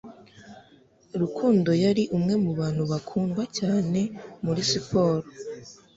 Rukundo yari umwe mu bantu bakundwa cyane muri siporo